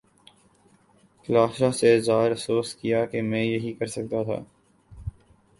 کلاسرا سے اظہار افسوس کیا کہ میں یہی کر سکتا تھا۔